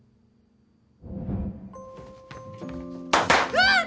うわっ！